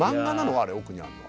あれ奥にあるのは